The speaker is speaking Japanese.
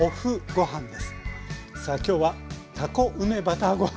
さあ今日は「たこ梅バターご飯」